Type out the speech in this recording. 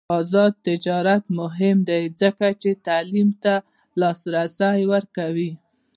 آزاد تجارت مهم دی ځکه چې تعلیم ته لاسرسی ورکوي.